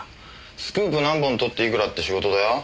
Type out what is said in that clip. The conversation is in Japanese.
スクープ何本撮っていくらって仕事だよ。